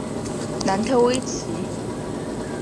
楠特威奇。